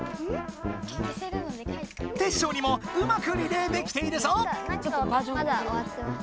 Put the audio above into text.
テッショウにもうまくリレーできているぞ！